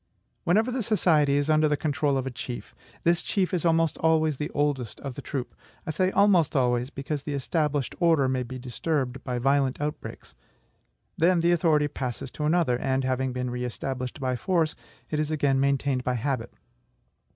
Whenever the society is under the control of a chief, this chief is almost always the oldest of the troop. I say almost always, because the established order may be disturbed by violent outbreaks. Then the authority passes to another; and, having been re established by force, it is again maintained by habit.